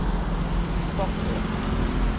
束帶